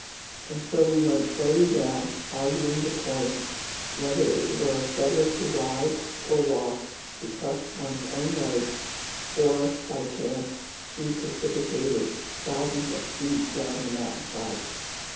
And so we went slowly down, arguing the point whether it were better to ride or walk; to trust one's own legs, or, by chance, be precipitated thousands of feet down the mountain side.